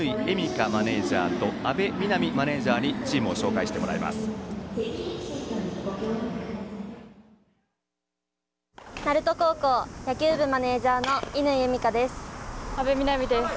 花マネージャーと阿部未波マネージャーにチームを紹介してもらいます。